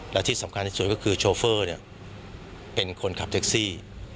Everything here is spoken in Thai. และที่สำคัญที่สุดก็คือโชเฟอร์เป็นคนขับแท็กซี่